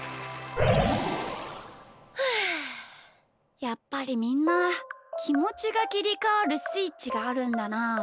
ふうやっぱりみんなきもちがきりかわるスイッチがあるんだな。